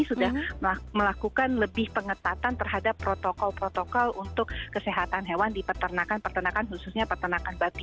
sudah melakukan lebih pengetatan terhadap protokol protokol untuk kesehatan hewan di peternakan peternakan khususnya peternakan batu